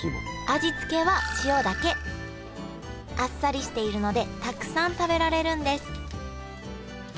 味付けはあっさりしているのでたくさん食べられるんです